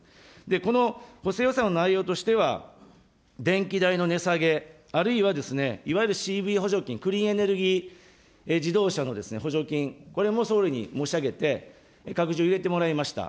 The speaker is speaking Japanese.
この補正予算の内容としては、電気代の値下げ、あるいは、いわゆるＣＢ補助金、クリーンエネルギー、自動車の補助金、これも総理に申し上げて、入れてもらいました。